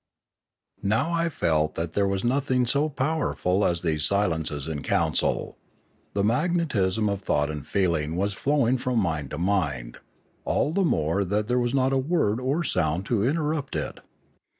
Now I felt that there was nothing so powerful as these silences in council. The magnetism of thought and feeling was flowing from mind to mind, all the more that there was not a word or sound to interrupt it.